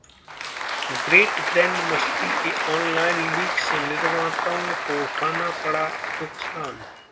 'great Grand Masti' के online leak से निर्माताओं को उठाना पड़ा नुकसान